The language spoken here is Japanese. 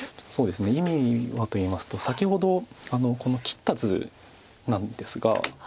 意味はといいますと先ほどこの切った図なんですが。